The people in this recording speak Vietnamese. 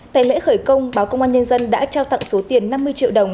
tại lễ khởi công báo công an nhân dân đã trao tặng số tiền năm mươi triệu đồng